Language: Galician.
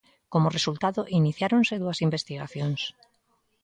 Como resultado iniciáronse dúas investigacións.